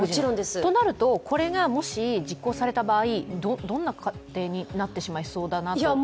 となると、これがもし実行された場合、どんな家庭になってしまいそうですか？